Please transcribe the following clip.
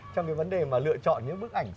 trong cái vấn đề mà lựa chọn những bức ảnh